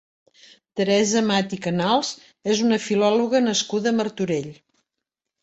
Teresa Amat i Canals és una filòloga nascuda a Martorell.